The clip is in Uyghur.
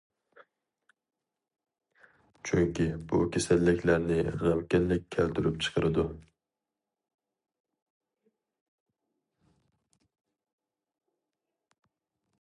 چۈنكى بۇ كېسەللىكلەرنى غەمكىنلىك كەلتۈرۈپ چىقىرىدۇ.